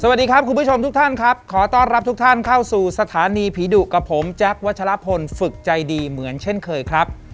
สวัสดีครับคุณผู้ชมทุกท่านครับขอต้อนรับทุกท่านเข้าสู่สถานีผีดุกับผมแจ๊ควัชลพลฝึกใจดีเหมือนเช่นเคยครับ